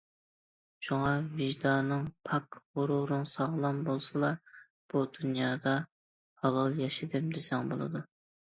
شۇڭا ۋىجدانىڭ پاك، غۇرۇرۇڭ ساغلام بولسىلا، بۇ دۇنيادا ھالال ياشىدىم دېسەڭ بولىدۇ.